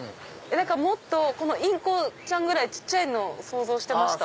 もっとインコちゃんぐらい小っちゃいのを想像してました。